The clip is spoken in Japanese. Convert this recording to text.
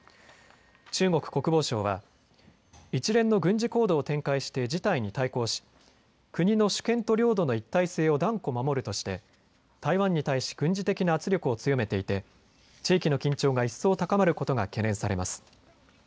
中国国防省は一連の軍事行動を展開して事態に対抗し国の主権と領土の一体性を断固守るとして台湾に対し軍事的な圧力を強めていて地域の緊張が一層高まることが懸念されます。